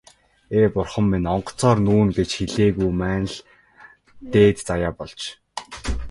Ээ, бурхан минь, онгоцоор нүүнэ гэж хэлээгүй маань л дээд заяа болж.